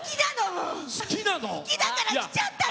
好きだから来ちゃった！